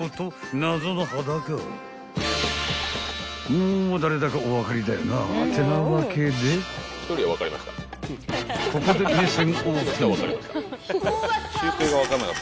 ［もう誰だかお分かりだよな？ってなわけでここで目線オープン］